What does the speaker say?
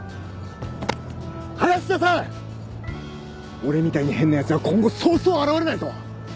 俺みたいに変なやつは今後そうそう現れないぞ！